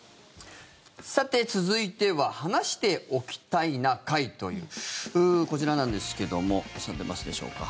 さて、続いては「話しておきたいな会」というこちらなんですけども出ますでしょうか。